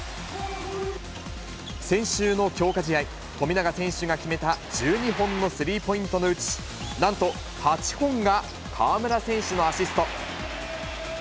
先週の強化試合、富永選手が決めた１２本のスリーポイントのうち、なんと８本が河村選手のアシスト。